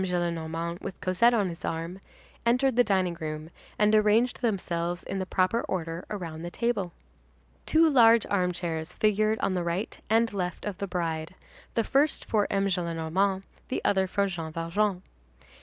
Gillenormand with Cosette on his arm, entered the dining room, and arranged themselves in the proper order around the table. Two large armchairs figured on the right and left of the bride, the first for M. Gillenormand, the other for Jean Valjean.